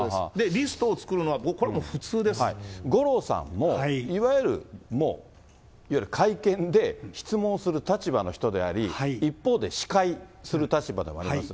リストを作るのは、五郎さんも、いわゆるもう、いわゆる会見で質問する立場の人であり、一方で司会する立場でもあります。